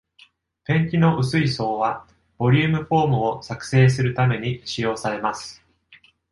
ペンキの薄い層は、ボリュームフォームを作成するために使用されます。